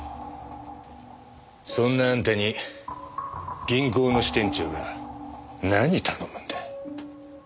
そんなあんたに銀行の支店長が何頼むんだ？